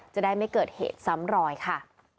จะได้ไม่เกิดเหตุซ้ำรอยค่ะ